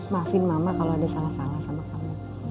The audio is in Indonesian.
maafin mama kalau ada salah salah sama kamu